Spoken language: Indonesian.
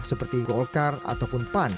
seperti golkar ataupun pan